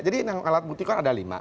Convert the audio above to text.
jadi alat bukti kan ada lima